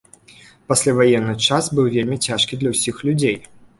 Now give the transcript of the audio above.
Пасляваенны час быў вельмі цяжкі для ўсіх людзей.